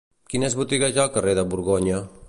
Quines botigues hi ha al carrer de Borgonya?